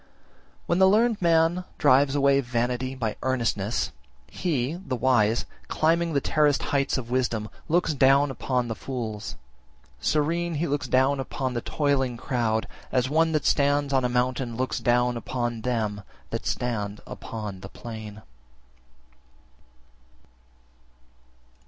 28. When the learned man drives away vanity by earnestness, he, the wise, climbing the terraced heights of wisdom, looks down upon the fools, serene he looks upon the toiling crowd, as one that stands on a mountain looks down upon them that stand upon the plain.